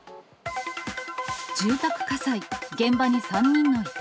住宅火災、現場に３人の遺体。